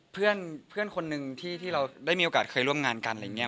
เพื่อนคนหนึ่งที่เราได้มีโอกาสเคยร่วมงานกันอะไรอย่างนี้